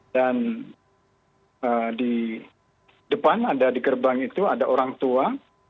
dan di depan ada di gerbang itu ada orang tua